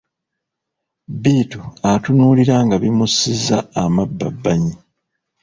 Bittu atunuulira nga bimusizza amabbabbanyi.